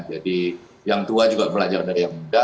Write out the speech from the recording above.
jadi yang tua juga belajar dari yang muda